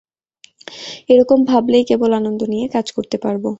এ রকম ভাবলেই কেবল আনন্দ নিয়ে কাজ করতে পারব।